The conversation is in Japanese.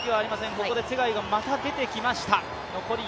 ここでツェガイがまた出てきました。